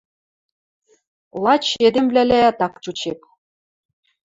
Лач эдемвлӓлӓӓт ак чучеп.